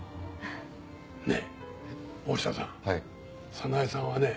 早苗さんはね